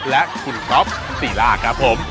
และคุณก๊อฟติลาครับผม